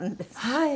はい。